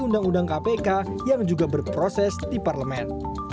undang undang kpk yang juga berproses di parlemen